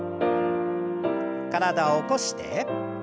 体を起こして。